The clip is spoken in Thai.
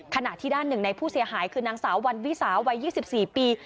ขณะที่ด้านหนึ่งในผู้เสียหายคือนางสาววันวิสาวัย๒๔ปี